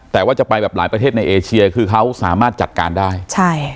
แต่ว่าจะไปแบบหลายประเทศในเอเชียคือเขาสามารถจัดการได้ใช่